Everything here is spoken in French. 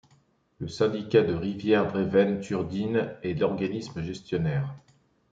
Le Syndicat de Rivières Brévenne Turdine est l'organisme gestionnaire.